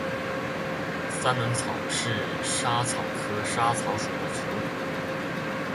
三轮草是莎草科莎草属的植物。